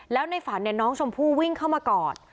แล้วในฝันน้องชมพู่วิ่งเข้ามากอด